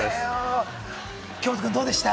京本君どうでした？